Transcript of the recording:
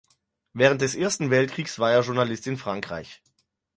Während des Ersten Weltkriegs war er Journalist in Frankreich.